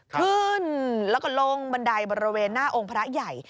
ขึ้นแล้วก็ลงบันไดบริเวณหน้าองค์พระใหญ่